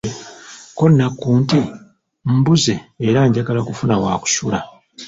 Ko Nakku nti, mbuze era njagala kufuna wa kusula!